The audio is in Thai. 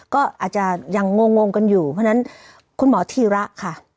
ก็อาจจะยังงงกันอยู่เพราะฉะนั้นคุณหมอธีระค่ะ